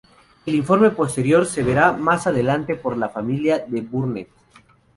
El informe posterior se verá más adelante por la familia de Burnett.